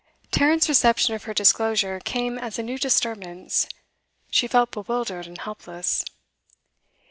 Tarrant's reception of her disclosure came as a new disturbance she felt bewildered and helpless.